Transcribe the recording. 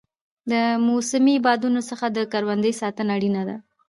د موسمي بادونو څخه د کروندې ساتنه اړینه ده.